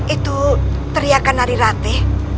itu teriakan dari rate